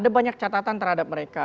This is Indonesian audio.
ada banyak catatan terhadap mereka